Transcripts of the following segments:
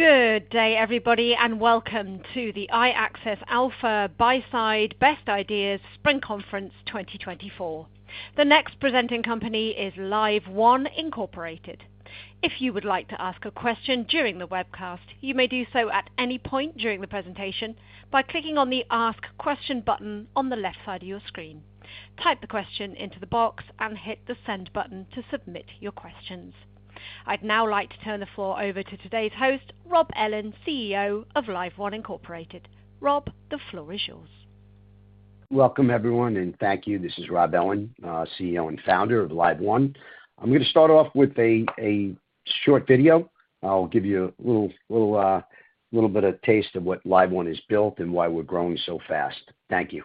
Good day, everybody, and welcome to the iAccess Alpha Buyside Best Ideas Spring Conference 2024. The next presenting company is LiveOne Incorporated. If you would like to ask a question during the webcast, you may do so at any point during the presentation by clicking on the Ask Question button on the left side of your screen. Type the question into the box and hit the Send button to submit your questions. I'd now like to turn the floor over to today's host, Rob Ellin, CEO of LiveOne Incorporated. Rob, the floor is yours. Welcome, everyone, and thank you. This is Rob Ellin, CEO and founder of LiveOne. I'm going to start off with a short video. I'll give you a little bit of taste of what LiveOne is built and why we're growing so fast. Thank you.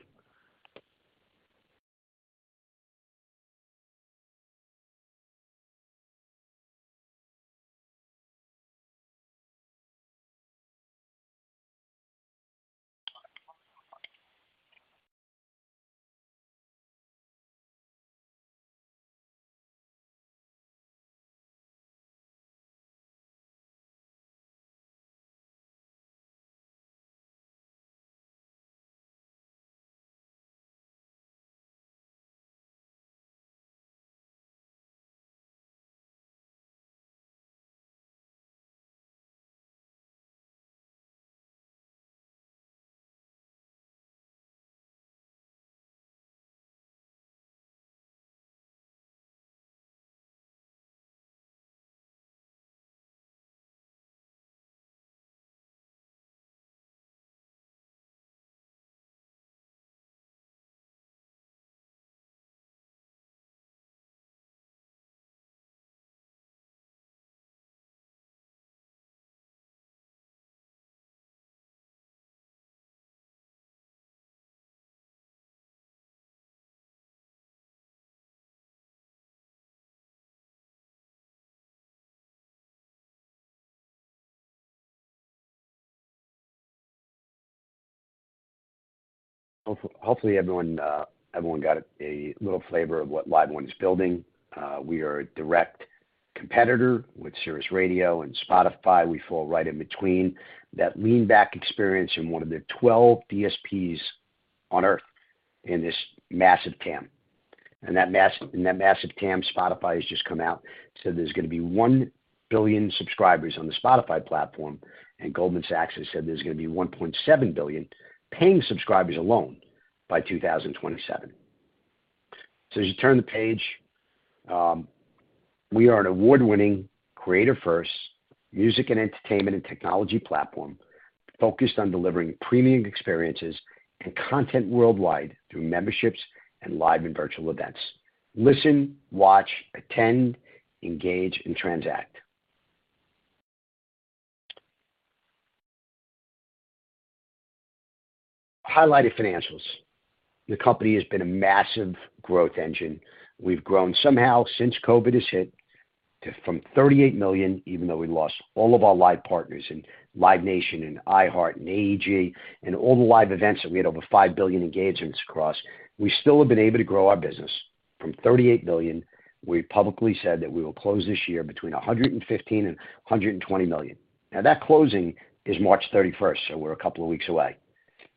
Hopefully, everyone got a little flavor of what LiveOne is building. We are a direct competitor with Sirius Radio and Spotify. We fall right in between that lean-back experience and one of the 12 DSPs on Earth in this massive TAM. And that massive TAM, Spotify has just come out, said there's going to be 1 billion subscribers on the Spotify platform, and Goldman Sachs has said there's going to be 1.7 billion paying subscribers alone by 2027. So as you turn the page, we are an award-winning Creator First music and entertainment and technology platform focused on delivering premium experiences and content worldwide through memberships and live and virtual events. Listen, watch, attend, engage, and transact. Highlighted financials. The company has been a massive growth engine. We've grown somehow since COVID has hit from $38 million, even though we lost all of our live partners in Live Nation and iHeart and AEG and all the live events that we had over 5 billion engagements across. We still have been able to grow our business from $38 million. We publicly said that we will close this year between $115 million and $120 million. Now, that closing is March 31st, so we're a couple of weeks away.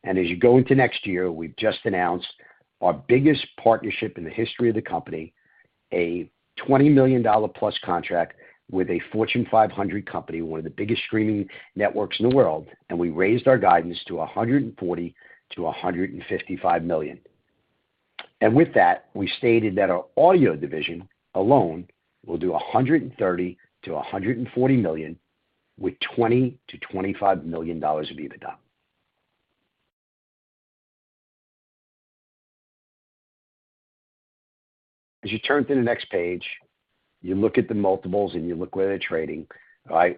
And as you go into next year, we've just announced our biggest partnership in the history of the company, a $20 million-plus contract with a Fortune 500 company, one of the biggest streaming networks in the world, and we raised our guidance to $140 million-$155 million. And with that, we stated that our audio division alone will do $130 million-$140 million with $20 million-$25 million of EBITDA. As you turn to the next page, you look at the multiples and you look where they're trading.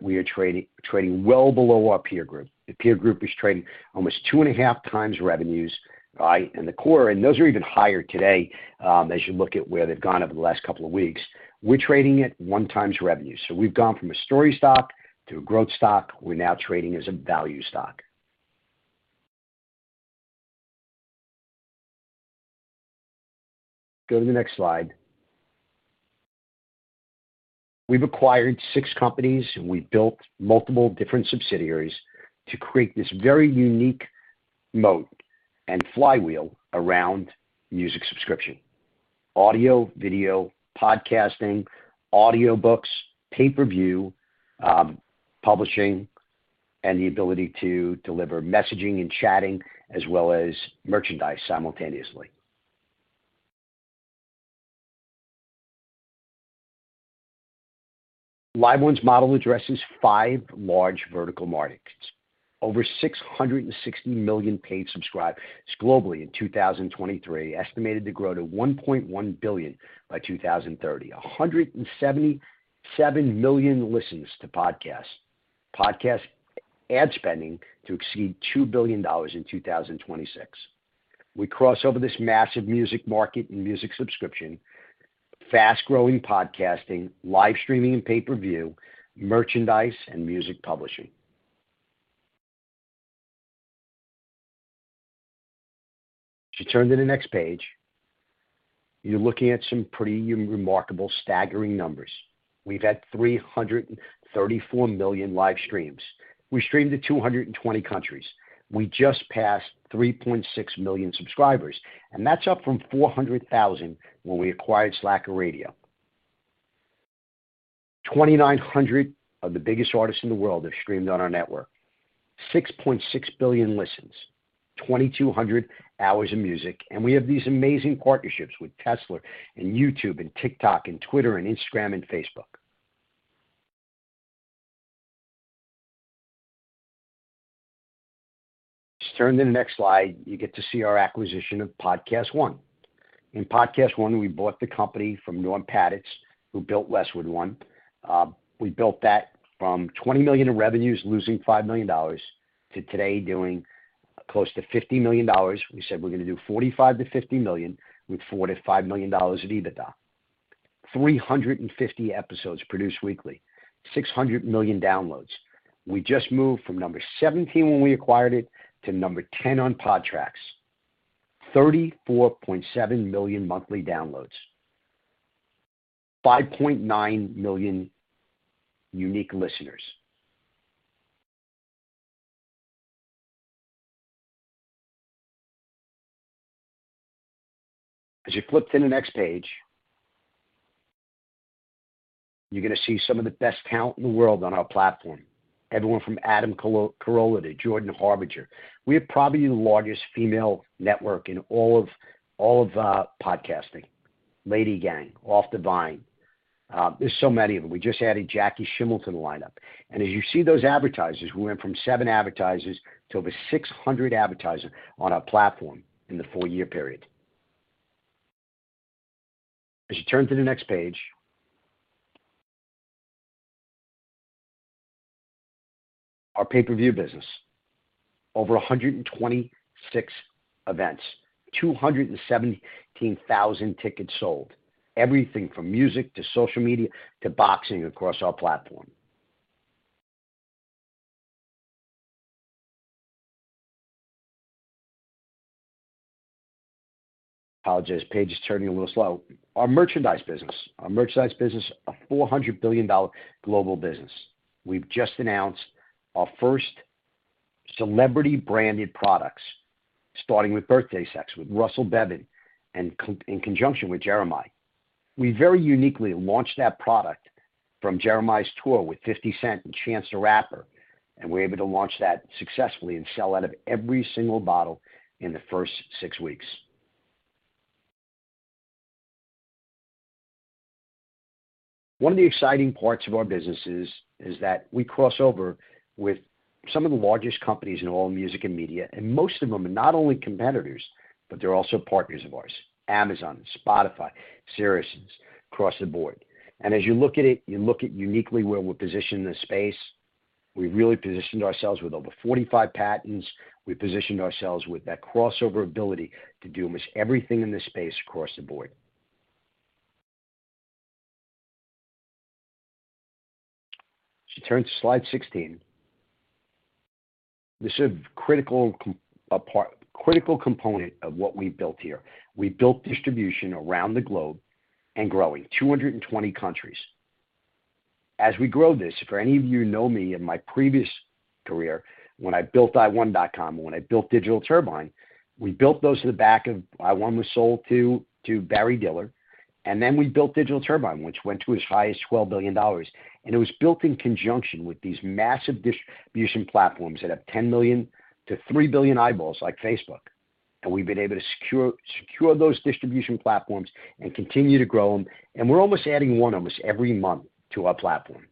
We are trading well below our peer group. The peer group is trading almost 2.5 times revenues and the core, and those are even higher today as you look at where they've gone over the last couple of weeks. We're trading at 1x revenue. So we've gone from a story stock to a growth stock. We're now trading as a value stock. Go to the next slide. We've acquired 6 companies, and we built multiple different subsidiaries to create this very unique moat and flywheel around music subscription: audio, video, podcasting, audiobooks, pay-per-view publishing, and the ability to deliver messaging and chatting as well as merchandise simultaneously. LiveOne's model addresses five large vertical markets. Over 660 million paid subscribers globally in 2023, estimated to grow to 1.1 billion by 2030, 177 million listens to podcasts, podcast ad spending to exceed $2 billion in 2026. We cross over this massive music market in music subscription, fast-growing podcasting, live streaming and pay-per-view, merchandise, and music publishing. As you turn to the next page, you're looking at some pretty remarkable, staggering numbers. We've had 334 million live streams. We streamed to 220 countries. We just passed 3.6 million subscribers, and that's up from 400,000 when we acquired Slacker Radio. 2,900 of the biggest artists in the world have streamed on our network, 6.6 billion listens, 2,200 hours of music. And we have these amazing partnerships with Tesla and YouTube and TikTok and Twitter and Instagram and Facebook. Turn to the next slide. You get to see our acquisition of PodcastOne. In PodcastOne, we bought the company from Norm Pattiz, who built Westwood One. We built that from $20 million in revenues losing $5 million to today doing close to $50 million. We said we're going to do $45 million-$50 million with $4 million-$5 million of EBITDA, 350 episodes produced weekly, 600 million downloads. We just moved from number 17 when we acquired it to number 10 on Podtrac, 34.7 million monthly downloads, 5.9 million unique listeners. As you flip to the next page, you're going to see some of the best talent in the world on our platform, everyone from Adam Carolla to Jordan Harbinger. We are probably the largest female network in all of podcasting: LadyGang, Off the Vine. There's so many of them. We just added Jackie Schimmel to line up. As you see those advertisers, we went from 7 advertisers to over 600 advertisers on our platform in the four-year period. As you turn to the next page, our pay-per-view business, over 126 events, 217,000 tickets sold, everything from music to social media to boxing across our platform. Apologize. Page is turning a little slow. Our merchandise business, a $400 billion global business. We've just announced our first celebrity-branded products, starting with Birthday Sex with Russell Bevan in conjunction with Jeremih. We very uniquely launched that product from Jeremih's tour with 50 Cent and Chance the Rapper, and we're able to launch that successfully and sell out of every single bottle in the first six weeks. One of the exciting parts of our business is that we cross over with some of the largest companies in all music and media, and most of them are not only competitors, but they're also partners of ours: Amazon, Spotify, Sirius, across the board. As you look at it, you look at uniquely where we're positioned in the space. We've really positioned ourselves with over 45 patents. We've positioned ourselves with that crossover ability to do almost everything in this space across the board. As you turn to slide 16, this is a critical component of what we built here. We built distribution around the globe and growing, 220 countries. As we grow this, if any of you know me in my previous career, when I built iWon.com and when I built Digital Turbine, we built those in the back of iWon.com was sold to Barry Diller, and then we built Digital Turbine, which went to its highest $12 billion. It was built in conjunction with these massive distribution platforms that have 10 million-3 billion eyeballs like Facebook. We've been able to secure those distribution platforms and continue to grow them. We're almost adding one almost every month to our platform.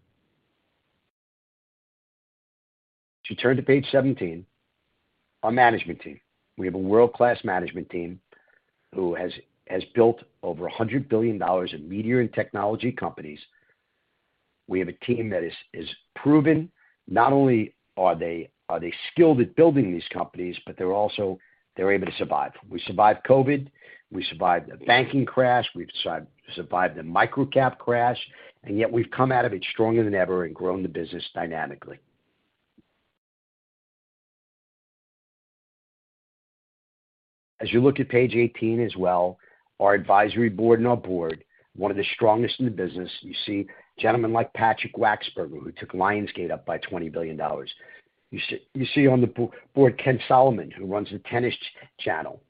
As you turn to page 17, our management team. We have a world-class management team who has built over $100 billion in media and technology companies. We have a team that is proven. Not only are they skilled at building these companies, but they're able to survive. We survived COVID. We survived the banking crash. We've survived the microcap crash. And yet, we've come out of it stronger than ever and grown the business dynamically. As you look at page 18 as well, our advisory board and our board, one of the strongest in the business, you see gentlemen like Patrick Wachsberger, who took Lionsgate up by $20 billion. You see on the board Ken Solomon, who runs the Tennis Channel.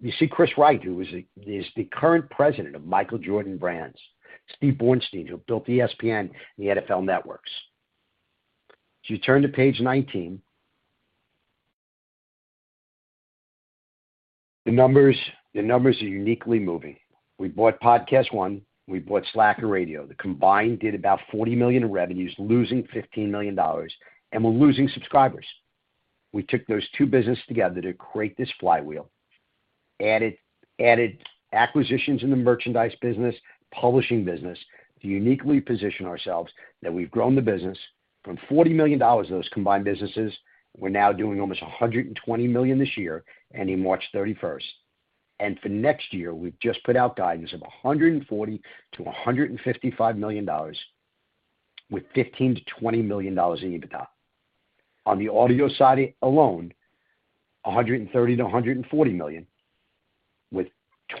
You see Chris Wright, who is the current president of Michael Jordan Brands, Steve Bornstein, who built ESPN and the NFL Networks. As you turn to page 19, the numbers are uniquely moving. We bought PodcastOne. We bought Slacker Radio. The combined did about $40 million in revenues, losing $15 million, and we're losing subscribers. We took those two businesses together to create this flywheel, added acquisitions in the merchandise business, publishing business to uniquely position ourselves that we've grown the business from $40 million, those combined businesses. We're now doing almost $120 million this year and on March 31st. And for next year, we've just put out guidance of $140 million-$155 million with $15 million-$20 million in EBITDA. On the audio side alone, $130 million-$140 million with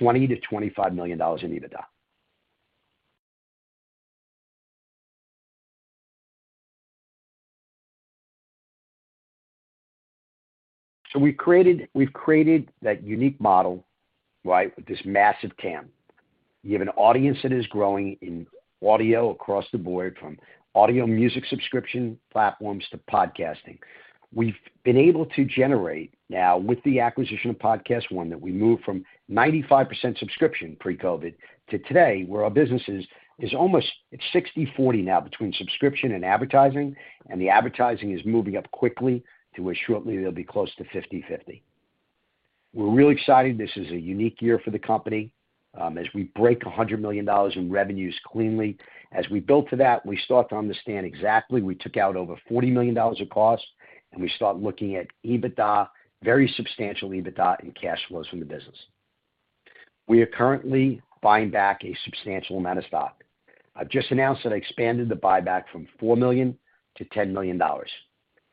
$20 million-$25 million in EBITDA. So we've created that unique model, right, with this massive TAM. You have an audience that is growing in audio across the board from audio music subscription platforms to podcasting. We've been able to generate now with the acquisition of PodcastOne that we moved from 95% subscription pre-COVID to today where our business is almost 60/40 now between subscription and advertising, and the advertising is moving up quickly to where shortly they'll be close to 50/50. We're really excited. This is a unique year for the company as we break $100 million in revenues cleanly. As we built to that, we start to understand exactly we took out over $40 million of cost, and we start looking at EBITDA, very substantial EBITDA and cash flows from the business. We are currently buying back a substantial amount of stock. I've just announced that I expanded the buyback from $4 million to $10 million.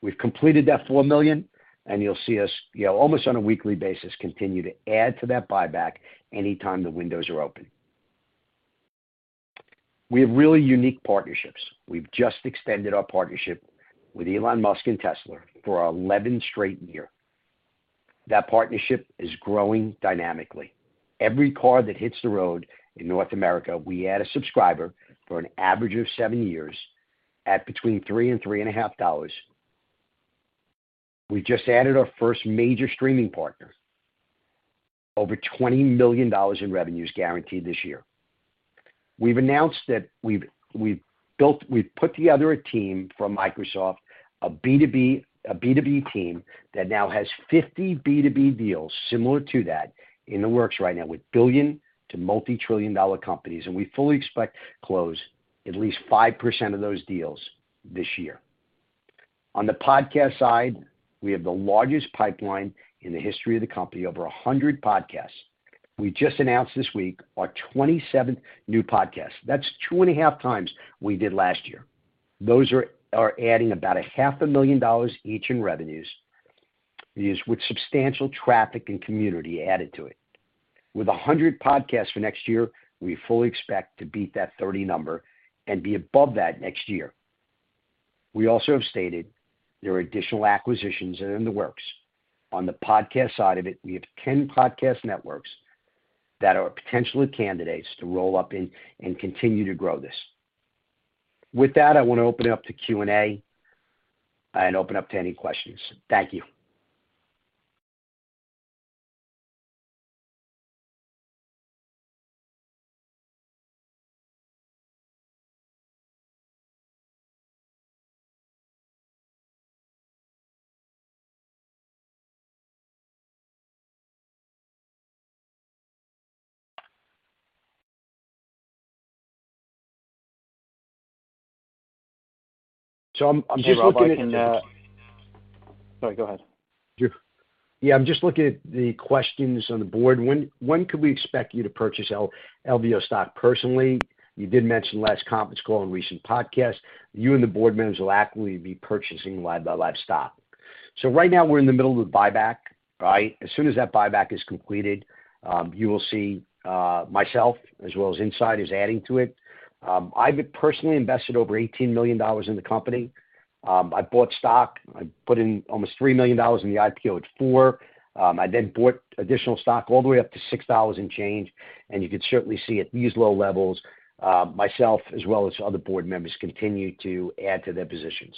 We've completed that $4 million, and you'll see us almost on a weekly basis continue to add to that buyback anytime the windows are open. We have really unique partnerships. We've just extended our partnership with Elon Musk and Tesla for our 11th straight year. That partnership is growing dynamically. Every car that hits the road in North America, we add a subscriber for an average of seven years at between $3 and $3.50. We've just added our first major streaming partner, over $20 million in revenues guaranteed this year. We've announced that we've put together a team from Microsoft, a B2B team that now has 50 B2B deals similar to that in the works right now with billion- to multi-trillion-dollar companies. We fully expect to close at least 5% of those deals this year. On the podcast side, we have the largest pipeline in the history of the company, over 100 podcasts. We just announced this week our 27th new podcast. That's 2.5 times we did last year. Those are adding about $500,000 each in revenues with substantial traffic and community added to it. With 100 podcasts for next year, we fully expect to beat that 30 number and be above that next year. We also have stated there are additional acquisitions that are in the works. On the podcast side of it, we have 10 podcast networks that are potentially candidates to roll up in and continue to grow this. With that, I want to open it up to Q&A and open up to any questions. Thank you. So I'm just looking at... Sorry, go ahead. Yeah, I'm just looking at the questions on the board. When could we expect you to purchase LVO stock? Personally, you did mention last conference call and recent podcast. You and the board members will actively be purchasing LiveXLive stock. So right now, we're in the middle of the buyback, right? As soon as that buyback is completed, you will see myself as well as insiders adding to it. I've personally invested over $18 million in the company. I bought stock. I put in almost $3 million in the IPO at $4. I then bought additional stock all the way up to $6 and change. And you could certainly see at these low levels, myself as well as other board members continue to add to their positions.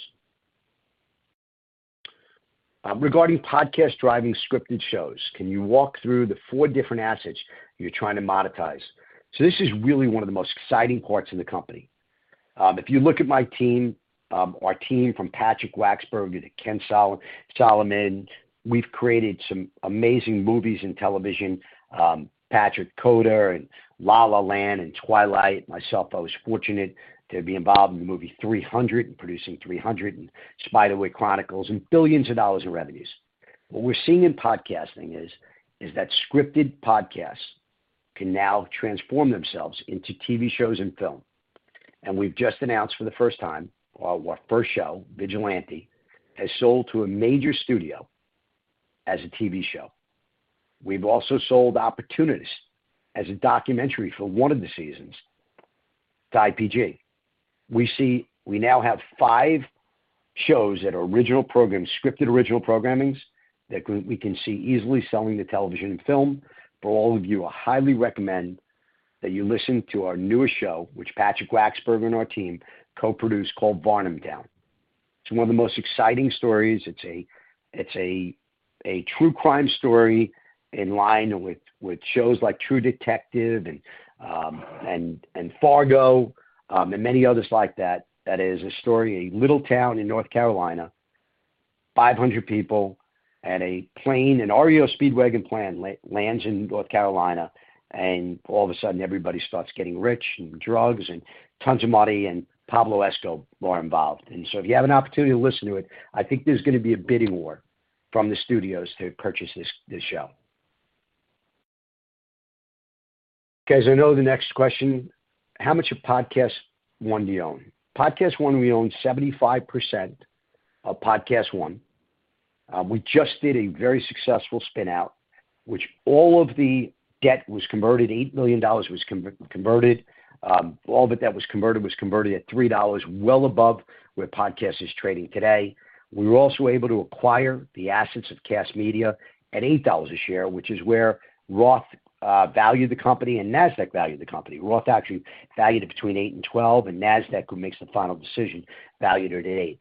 Regarding podcast-driving scripted shows, can you walk through the four different assets you're trying to monetize? So this is really one of the most exciting parts of the company. If you look at my team, our team from Patrick Wachsberger to Ken Solomon, we've created some amazing movies and television, Patrick, CODA, and La La Land and Twilight. Myself, I was fortunate to be involved in the movie 300 and producing 300 and The Spiderwick Chronicles and billions of dollars in revenues. What we're seeing in podcasting is that scripted podcasts can now transform themselves into TV shows and film. We've just announced for the first time, our first show, Vigilante, has sold to a major studio as a TV show. We've also sold The Opportunist as a documentary for one of the seasons, Die PG. We now have five shows that are original programs, scripted original programmings that we can see easily selling to television and film. For all of you, I highly recommend that you listen to our newest show, which Patrick Wachsberger and our team co-produced called Varnamtown. It's one of the most exciting stories. It's a true crime story in line with shows like True Detective and Fargo and many others like that. That is a story, a little town in North Carolina, 500 people, and an REO Speedwagon plane lands in North Carolina. All of a sudden, everybody starts getting rich and drugs and tons of money and Pablo Escobar involved. So if you have an opportunity to listen to it, I think there's going to be a bidding war from the studios to purchase this show. Guys, I know the next question. How much of PodcastOne do you own? PodcastOne, we own 75% of PodcastOne. We just did a very successful spin-out, which all of the debt was converted, $8 million was converted. All of it that was converted was converted at $3, well above where podcast is trading today. We were also able to acquire the assets of Kast Media at $8 a share, which is where Roth valued the company and Nasdaq valued the company. Roth actually valued it between 8 and 12, and Nasdaq, who makes the final decision, valued it at 8.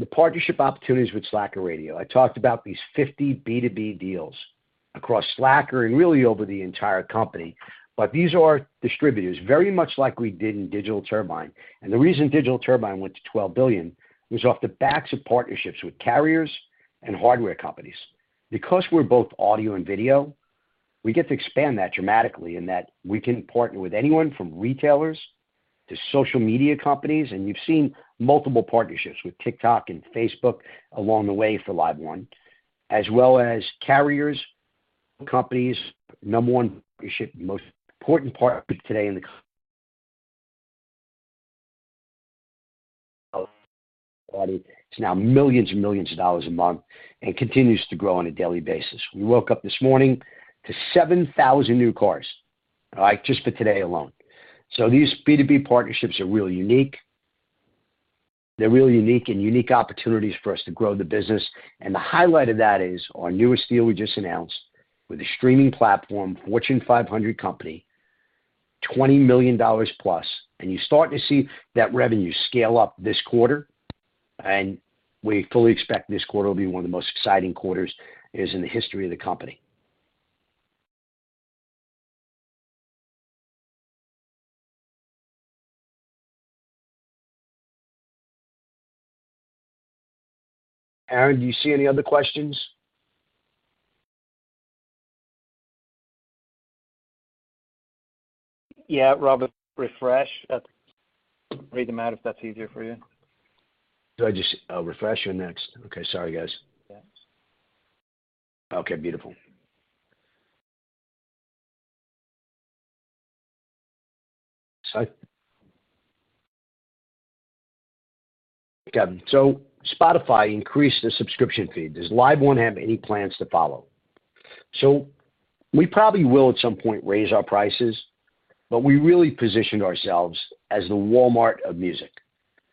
The partnership opportunities with Slacker Radio. I talked about these 50 B2B deals across Slacker and really over the entire company. But these are distributors, very much like we did in Digital Turbine. And the reason Digital Turbine went to $12 billion was off the backs of partnerships with carriers and hardware companies. Because we're both audio and video, we get to expand that dramatically in that we can partner with anyone from retailers to social media companies. And you've seen multiple partnerships with TikTok and Facebook along the way for LiveOne, as well as carriers, companies, number one partnership, most important part today in the company. It's now $millions and millions a month and continues to grow on a daily basis. We woke up this morning to 7,000 new cars, right, just for today alone. So these B2B partnerships are really unique. They're really unique and unique opportunities for us to grow the business. And the highlight of that is our newest deal we just announced with the streaming platform, Fortune 500 company, $20 million plus. And you're starting to see that revenue scale up this quarter. We fully expect this quarter will be one of the most exciting quarters in the history of the company. Aaron, do you see any other questions? Yeah, Robert, refresh. Read them out if that's easier for you. Do I just refresh your next? Okay, sorry, guys. Okay, beautiful. Got it. So Spotify increased the subscription fee. Does LiveOne have any plans to follow? So we probably will at some point raise our prices, but we really positioned ourselves as the Walmart of music.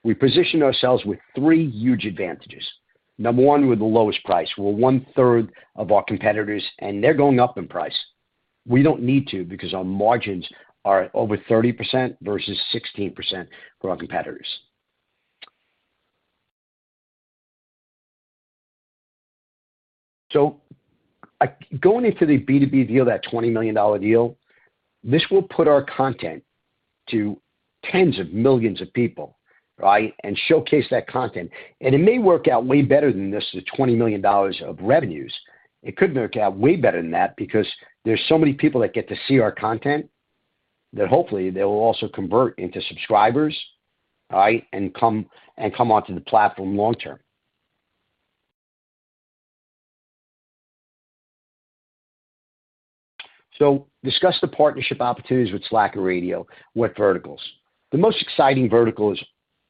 We positioned ourselves with three huge advantages. Number 1, we're the lowest price. We're 1/3 of our competitors, and they're going up in price. We don't need to because our margins are over 30% versus 16% for our competitors. So going into the B2B deal, that $20 million deal, this will put our content to tens of millions of people, right, and showcase that content. And it may work out way better than this, the $20 million of revenues. It could work out way better than that because there's so many people that get to see our content that hopefully they will also convert into subscribers, right, and come onto the platform long term. So discuss the partnership opportunities with Slacker Radio, with verticals. The most exciting vertical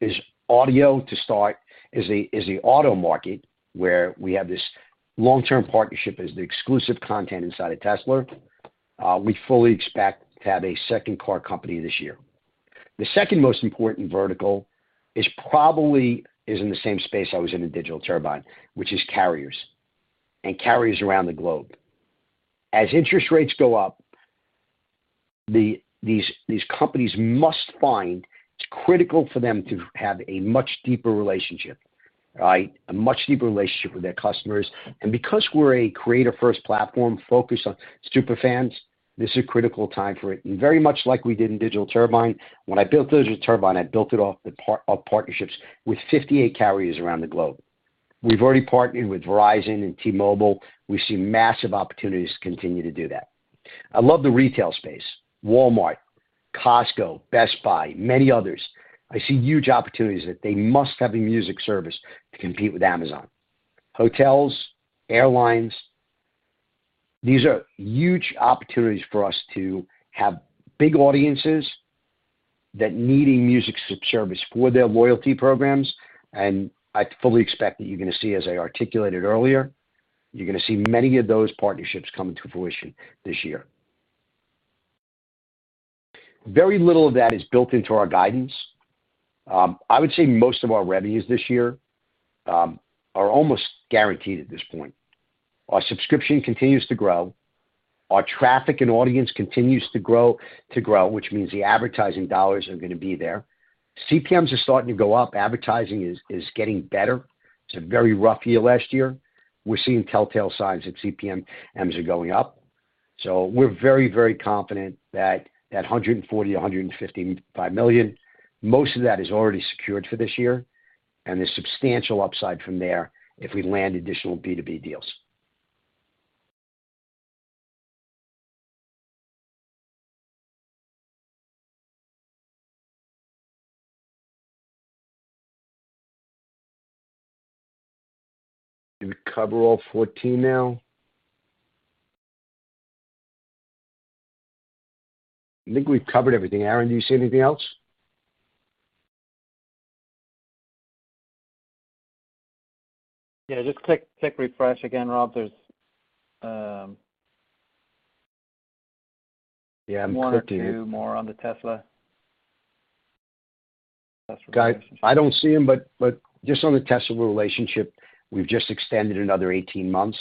is audio to start, is the auto market where we have this long-term partnership as the exclusive content inside of Tesla. We fully expect to have a second car company this year. The second most important vertical probably is in the same space I was in in Digital Turbine, which is carriers and carriers around the globe. As interest rates go up, these companies must find it's critical for them to have a much deeper relationship, right, a much deeper relationship with their customers. Because we're a creator-first platform focused on super fans, this is a critical time for it. Very much like we did in Digital Turbine, when I built Digital Turbine, I built it off of partnerships with 58 carriers around the globe. We've already partnered with Verizon and T-Mobile. We see massive opportunities to continue to do that. I love the retail space, Walmart, Costco, Best Buy, many others. I see huge opportunities that they must have in music service to compete with Amazon. Hotels, airlines, these are huge opportunities for us to have big audiences that need music service for their loyalty programs. I fully expect that you're going to see, as I articulated earlier, you're going to see many of those partnerships come into fruition this year. Very little of that is built into our guidance. I would say most of our revenues this year are almost guaranteed at this point. Our subscription continues to grow. Our traffic and audience continues to grow, which means the advertising dollars are going to be there. CPMs are starting to go up. Advertising is getting better. It's a very rough year last year. We're seeing telltale signs that CPMs are going up. So we're very, very confident that $140 million-$155 million, most of that is already secured for this year. And there's substantial upside from there if we land additional B2B deals. Did we cover all 14 now? I think we've covered everything. Aaron, do you see anything else? Yeah, just quick refresh again, Rob. There's one, two, more on the Tesla relationship. Got it. I don't see them, but just on the Tesla relationship, we've just extended another 18 months.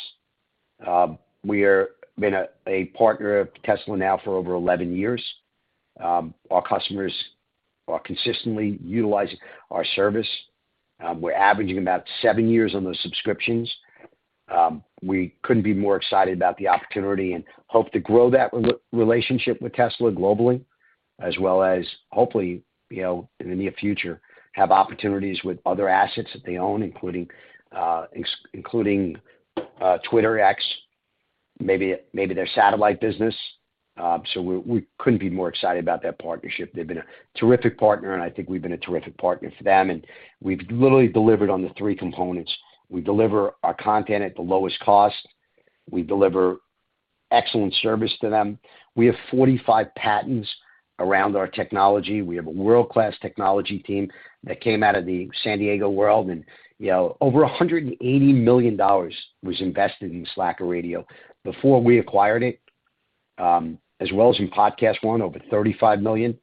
We have been a partner of Tesla now for over 11 years. Our customers are consistently utilizing our service. We're averaging about 7 years on those subscriptions. We couldn't be more excited about the opportunity and hope to grow that relationship with Tesla globally, as well as hopefully, in the near future, have opportunities with other assets that they own, including X (Twitter), maybe their satellite business. So we couldn't be more excited about that partnership. They've been a terrific partner, and I think we've been a terrific partner for them. And we've literally delivered on the three components. We deliver our content at the lowest cost. We deliver excellent service to them. We have 45 patents around our technology. We have a world-class technology team that came out of the San Diego world. And over $180 million was invested in Slacker Radio before we acquired it, as well as in PodcastOne, over $35 million.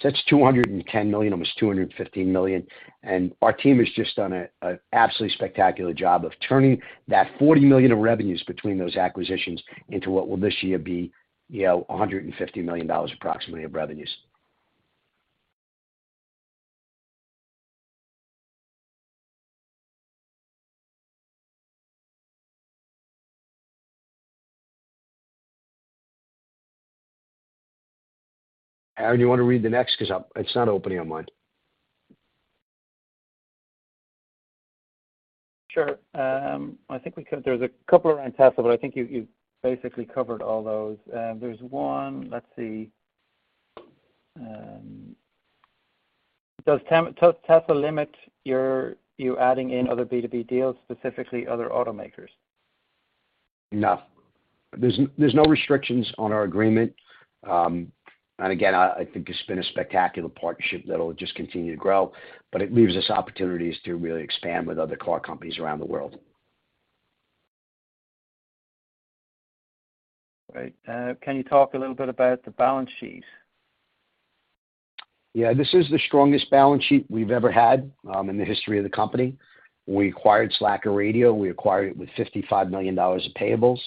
So that's $210 million, almost $215 million. And our team has just done an absolutely spectacular job of turning that $40 million of revenues between those acquisitions into what will this year be $150 million approximately of revenues. Aaron, do you want to read the next because it's not opening on mine? Sure. I think we could. There's a couple around Tesla, but I think you basically covered all those. There's one. Let's see. Does Tesla limit you adding in other B2B deals, specifically other automakers? No. There's no restrictions on our agreement. And again, I think it's been a spectacular partnership that will just continue to grow. But it leaves us opportunities to really expand with other car companies around the world. Right. Can you talk a little bit about the balance sheet? Yeah, this is the strongest balance sheet we've ever had in the history of the company. We acquired Slacker Radio. We acquired it with $55 million of payables,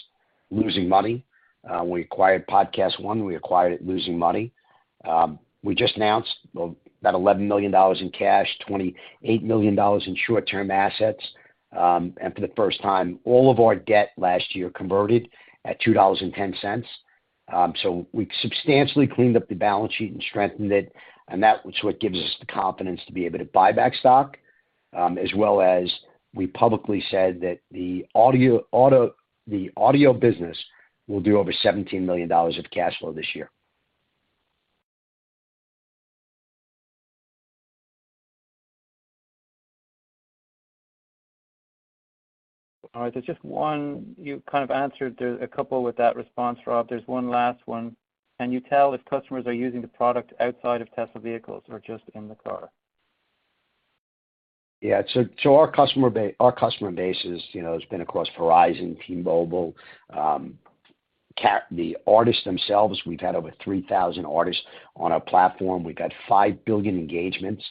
losing money. We acquired PodcastOne. We acquired it losing money. We just announced about $11 million in cash, $28 million in short-term assets. And for the first time, all of our debt last year converted at $2.10. So we substantially cleaned up the balance sheet and strengthened it. And that's what gives us the confidence to be able to buy back stock, as well as we publicly said that the audio business will do over $17 million of cash flow this year. All right. There's just one. You kind of answered. There's a couple with that response, Rob. There's one last one. Can you tell if customers are using the product outside of Tesla vehicles or just in the car? Yeah. So our customer base has been across Verizon, T-Mobile. The artists themselves, we've had over 3,000 artists on our platform. We've got 5 billion engagements.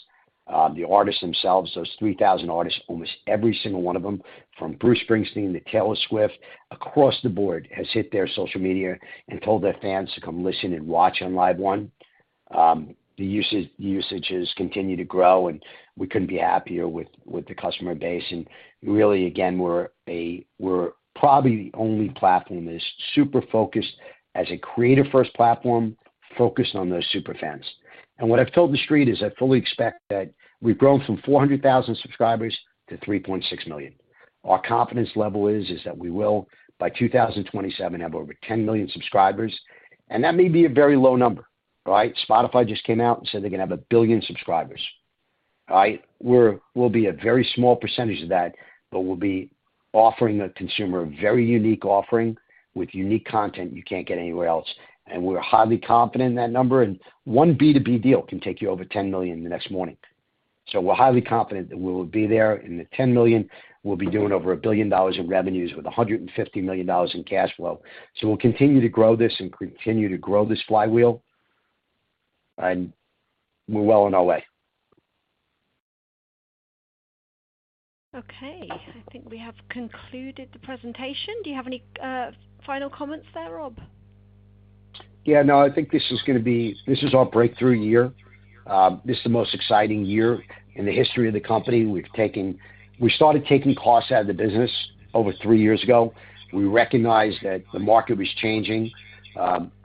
The artists themselves, those 3,000 artists, almost every single one of them, from Bruce Springsteen to Taylor Swift, across the board, has hit their social media and told their fans to come listen and watch on LiveOne. The usage has continued to grow, and we couldn't be happier with the customer base. And really, again, we're probably the only platform that is super focused as a creator-first platform focused on those super fans. And what I've told the street is I fully expect that we've grown from 400,000 subscribers to 3.6 million. Our confidence level is that we will, by 2027, have over 10 million subscribers. That may be a very low number, right? Spotify just came out and said they're going to have 1 billion subscribers, right? We'll be a very small percentage of that, but we'll be offering a consumer a very unique offering with unique content you can't get anywhere else. We're highly confident in that number. One B2B deal can take you over 10 million the next morning. So we're highly confident that we'll be there. The 10 million, we'll be doing over $1 billion in revenues with $150 million in cash flow. We'll continue to grow this and continue to grow this flywheel. We're well on our way. Okay. I think we have concluded the presentation. Do you have any final comments there, Rob? Yeah. No, I think this is going to be our breakthrough year. This is the most exciting year in the history of the company. We started taking costs out of the business over three years ago. We recognized that the market was changing.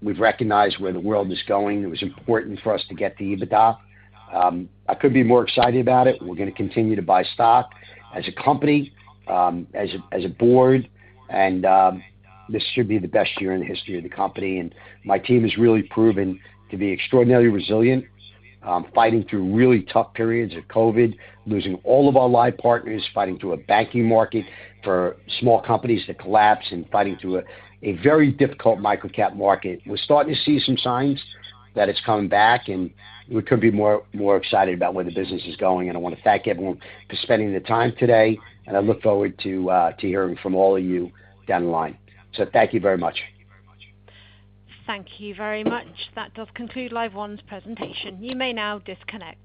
We've recognized where the world is going. It was important for us to get the EBITDA. I couldn't be more excited about it. We're going to continue to buy stock as a company, as a board. And this should be the best year in the history of the company. And my team has really proven to be extraordinarily resilient, fighting through really tough periods of COVID, losing all of our live partners, fighting through a banking market for small companies to collapse, and fighting through a very difficult microcap market. We're starting to see some signs that it's coming back. We couldn't be more excited about where the business is going. I want to thank everyone for spending the time today. I look forward to hearing from all of you down the line. Thank you very much. Thank you very much. That does conclude LiveOne's presentation. You may now disconnect.